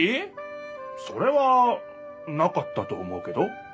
それはなかったと思うけど。